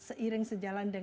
seiring sejalan dengan